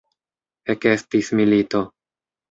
Ekestis milito.